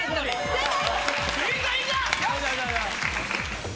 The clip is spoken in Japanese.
正解！